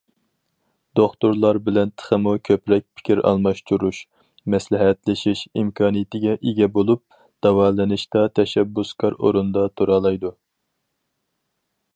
دوختۇرلار بىلەن تېخىمۇ كۆپرەك پىكىر ئالماشتۇرۇش، مەسلىھەتلىشىش ئىمكانىيىتىگە ئىگە بولۇپ، داۋالىنىشتا تەشەببۇسكار ئورۇندا تۇرالايدۇ.